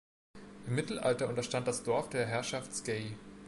Im Mittelalter unterstand das Dorf der Herrschaft Scey.